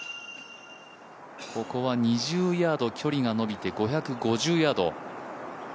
ここは２０ヤード距離が延びて５５０ヤード。